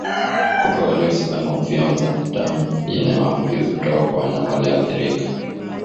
Kupe waliosalama huvyonza damu yenye maambukizi kutoka kwa wanyama walioathirika